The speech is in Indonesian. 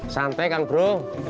santai kang bro